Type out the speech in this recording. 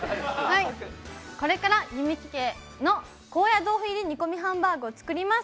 これから弓木家の高野豆腐入り煮込みハンバーグを作ります。